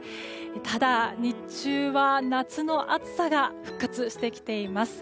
ただ、日中は夏の暑さが復活してきています。